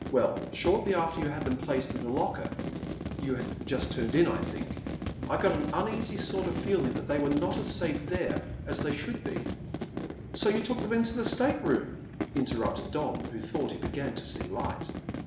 Well, shortly after you had placed them in the locker you had just turned in, I think I got an uneasy sort of feeling that they were not as safe there as they should be " "So you took them into your state room!" interrupted Don, who thought he began to see light.